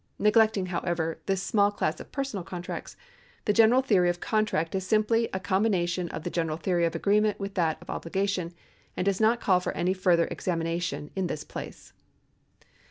Neglecting, however, this small class oi personal contracts, the general theory of contract is simply a combina tion of the general theory of agreement with that of obliga tion, and does not call for any further examination in this place.